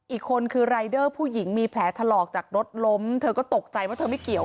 อีกคนคือรายเดอร์ผู้หญิงมีแผลถลอกจากรถล้มเธอก็ตกใจว่าเธอไม่เกี่ยว